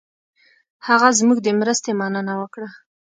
هغه زموږ د مرستې مننه وکړه.